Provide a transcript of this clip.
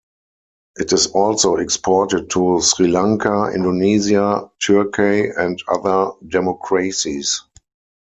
It is also exported to Sri Lanka, Indonesia, Turkey and other democracies.